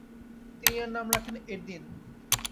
তিনি এর নাম রাখেন এদির্ন।